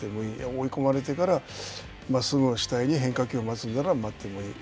追い込まれてから、まっすぐを主体に変化球を待つなら待ってもいい。